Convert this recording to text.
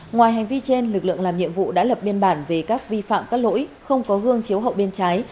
ngoài hành vi trên lực lượng làm nhiệm vụ đã lập biên bản về các vi phạm các lỗi không có gương chiếu hậu bên trái